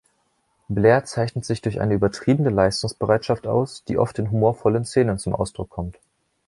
Blair zeichnet sich durch eine übertriebene Leistungsbereitschaft aus, die oft in humorvollen Szenen zum Ausdruck kommt.